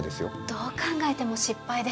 どう考えても失敗です。